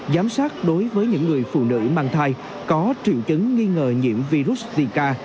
giám sát đối với những người phụ nữ mang thai có triệu chứng nghi ngờ nhiễm virus zika